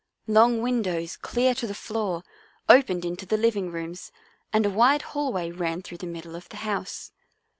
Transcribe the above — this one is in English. Long windows clear to the floor opened into the living rooms and a wide hallway ran through the middle of the house.